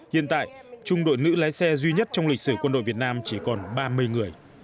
hiện tại trung đội nữ lái xe duy nhất trong lịch sử quân đội việt nam chỉ còn ba mươi người